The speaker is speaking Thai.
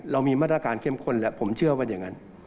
เรามีมาตรการเข้มข้นแล้วผมเชื่อว่าอย่างนั้น